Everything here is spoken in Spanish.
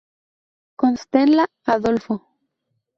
Constenla, Adolfo.